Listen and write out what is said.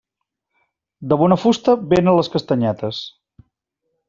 De bona fusta vénen les castanyetes.